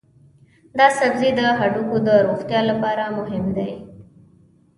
دا سبزی د هډوکو د روغتیا لپاره مهم دی.